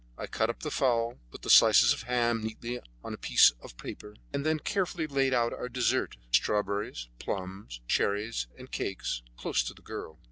I cut up the fowl, put the slices of ham neatly on a piece of paper, and then carefully laid out our dessert, strawberries, plums, cherries and cakes, close to the girl.